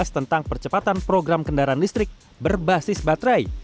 tentang percepatan program kendaraan listrik berbasis baterai